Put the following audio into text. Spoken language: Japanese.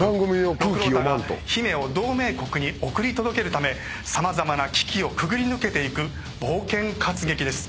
六郎太が姫を同盟国に送り届けるため様々な危機をくぐり抜けていく冒険活劇です。